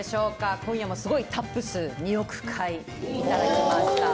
今夜もすごいタップ数２億回いただきました。